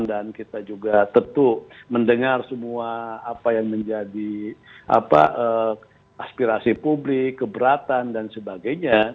dan kita juga tetuk mendengar semua apa yang menjadi aspirasi publik keberatan dan sebagainya